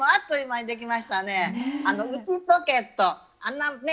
あの内ポケットあんなね